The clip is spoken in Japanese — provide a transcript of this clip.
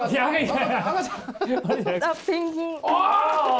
はい。